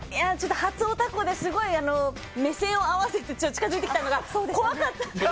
初おたこで、すごい目線を合わせて近づいてきたのが怖かった。